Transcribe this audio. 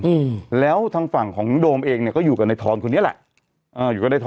อืมแล้วทางฝั่งของโดมเองเนี้ยก็อยู่กับในทอนคนนี้แหละอ่าอยู่กับในท